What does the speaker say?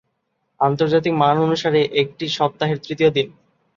আন্তর্জাতিক মান অনুসারে একটি সপ্তাহের তৃতীয় দিন।